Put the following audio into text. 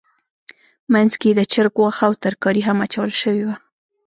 منځ کې یې د چرګ غوښه او ترکاري هم اچول شوې وه.